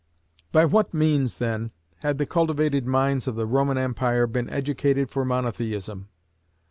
By what means, then, had the cultivated minds of the Roman Empire been educated for Monotheism?